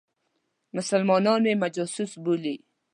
مسلمانان مې مجوس بولي.